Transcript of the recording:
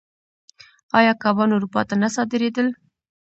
آیا کبان اروپا ته نه صادرېدل؟